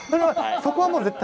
そこはもう絶対？